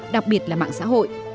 đặc biệt là mạng xã hội